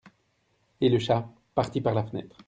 Et le chat ?- Parti par la fenêtre.